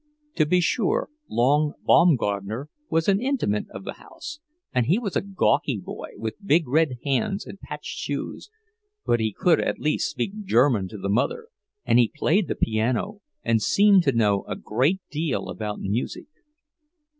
To be sure, long Baumgartner was an intimate of the house, and he was a gawky boy with big red hands and patched shoes; but he could at least speak German to the mother, and he played the piano, and seemed to know a great deal about music.